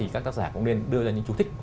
các tác giả cũng nên đưa ra những chú thích